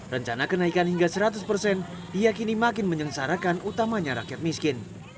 rencana kenaikan hingga seratus persen diakini makin menyengsarakan utamanya rakyat miskin